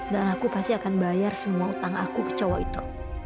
dan aku pasti akan bayar semua utang aku ke cowok itu